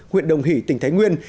huyện đồng hỷ tỉnh thái nguyên